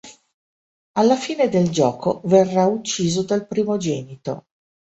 Alla fine del gioco verrà ucciso dal Primogenito.